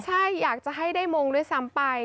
ใช่อยากจะให้ได้มงด้วยซ้ำไป